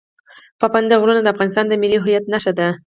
پابندی غرونه د افغانستان د ملي هویت نښه ده.